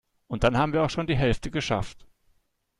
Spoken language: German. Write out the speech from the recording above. Und dann haben wir auch schon die Hälfte geschafft.